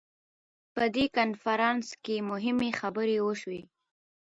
په دې کنفرانس کې مهمې خبرې وشوې.